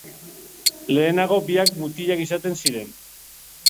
Lehenago biak mutilak izaten ziren.